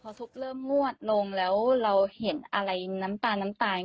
พอซุปเริ่มงวดลงแล้วเราเห็นอะไรน้ำตาลน้ำตาล